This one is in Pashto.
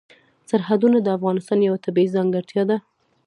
سرحدونه د افغانستان یوه طبیعي ځانګړتیا ده.